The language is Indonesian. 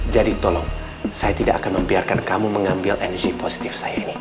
jadi tolong saya tidak akan membiarkan kamu mengambil energi positif saya ini